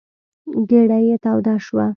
ګېډه یې توده شوه.